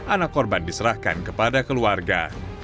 anak korban diserahkan kepada keluarga